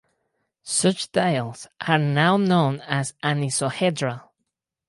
Such tiles are now known as anisohedral.